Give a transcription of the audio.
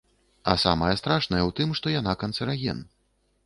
А самае страшнае ў тым, што яна канцэраген.